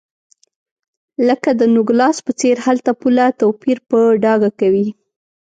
لکه د نوګالس په څېر هلته پوله توپیر په ډاګه کوي.